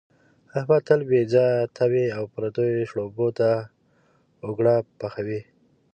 احمد تل بې ځایه تمې او پردیو شړومبو ته اوګره پحوي.